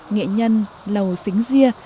nghệ nhân lầu xính gia